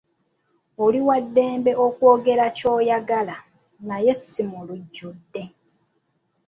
Oli waddembe okwogera ky'oyagala naye si mu lujjudde.